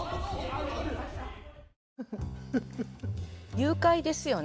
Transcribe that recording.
誘拐ですよね